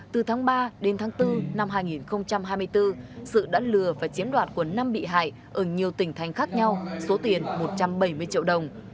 từ tháng ba đến tháng bốn năm hai nghìn hai mươi bốn sự đã lừa và chiếm đoạt của năm bị hại ở nhiều tỉnh thành khác nhau số tiền một trăm bảy mươi triệu đồng